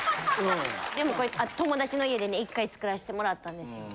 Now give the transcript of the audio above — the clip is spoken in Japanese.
でもこれ友達の家で１回作らせてもらったんですよ。